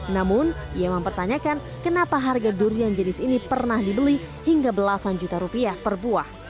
namun ia mempertanyakan kenapa harga durian jenis ini pernah dibeli hingga belasan juta rupiah per buah